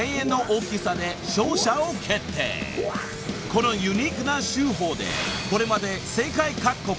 ［このユニークな手法でこれまで世界各国